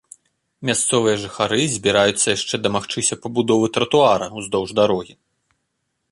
Мясцовыя жыхары збіраюцца яшчэ дамагчыся пабудовы тратуара ўздоўж дарогі.